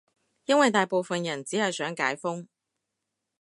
因爲大部分人只係想解封